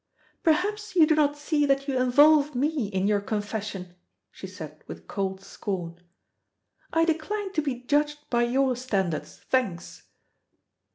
"Perhaps you do not see that you involve me in your confession," she said with cold scorn. "I decline to be judged by your standards, thanks."